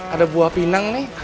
ada buah pinang nih